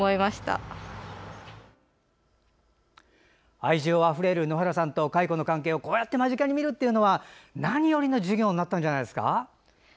愛情あふれる野原さんと蚕の関係をこうやって間近で見るというのは何よりの授業になったんじゃないですか。